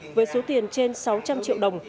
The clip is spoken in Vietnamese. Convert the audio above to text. với số tiền trên sáu trăm linh triệu đồng